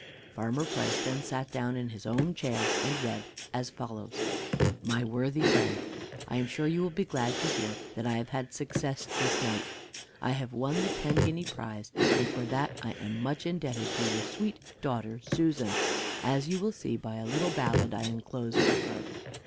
Farmer Price then sat down in his own chair, and read as follows: "MY WORTHY FRIEND I am sure you will be glad to hear that I have had success this night. I have won the ten guinea prize, and for that I am much indebted to your sweet daughter Susan; as you will see by a little ballad I enclose for her.